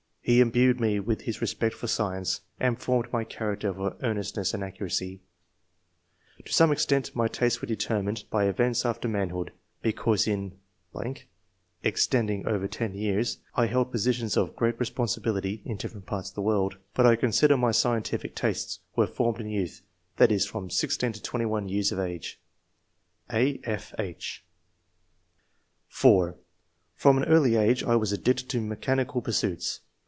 He imbued me with his respect for science, and formed my character for earnestness and accuracy To some extent, my tastes were determined by events after manhood ; because in ... extend III.] ORIGIN OF TASTE FOB SCIENCE. 151 ing over ten years, I held positions of great responsibility [in different parts of the world], but I consider my scientific tastes were formed in youth, that is, from 16 to 21 years of (4) ^' From an early age I was addicted to mechanical pursuits.